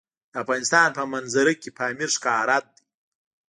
د افغانستان په منظره کې پامیر ښکاره ده.